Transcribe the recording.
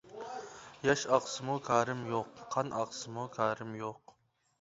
ياش ئاقسىمۇ كارىم يوق، قان ئاقسىمۇ كارىم يوق.